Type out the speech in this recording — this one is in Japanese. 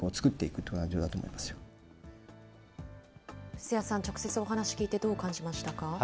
布施谷さん、直接お話聞いて、どう感じましたか。